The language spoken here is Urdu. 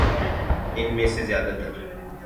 ان میں سے زیادہ تر